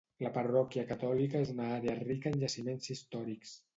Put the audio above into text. La parròquia catòlica és una àrea rica en jaciments històrics.